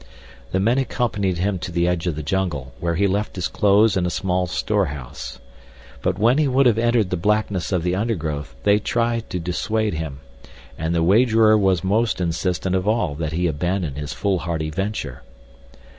The men accompanied him to the edge of the jungle, where he left his clothes in a small storehouse. But when he would have entered the blackness of the undergrowth they tried to dissuade him; and the wagerer was most insistent of all that he abandon his foolhardy venture.